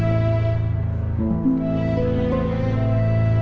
jika hidup akan bersisara dengan tweets